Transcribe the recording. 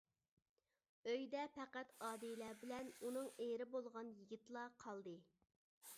ئۆيدە پەقەت ئادىلە بىلەن ئۇنىڭ ئېرى بولغان يىگىتلا قالدى.